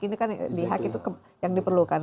ini kan dihack itu yang diperlukan